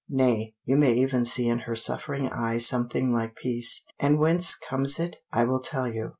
Nay, you may even see in her suffering eye something like peace. And whence comes it? I will tell you.